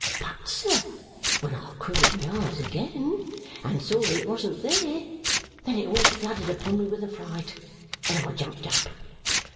But, sir, when I quivered my eyes again, and saw that it wasn't there, then it all flooded upon me with a fright, and I jumped up.